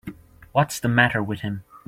What's the matter with him.